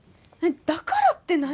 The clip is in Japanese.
「だから」って何？